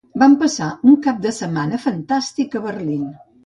Vam passar un cap de setmana fantàstic a Berlín.